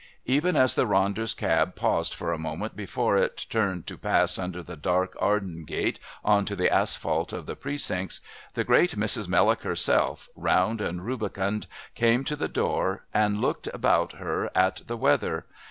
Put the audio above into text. Even as the Ronders' cab paused for a moment before it turned to pass under the dark Arden Gate on to the asphalt of the Precincts, the great Mrs. Mellock herself, round and rubicund, came to the door and looked about her at the weather.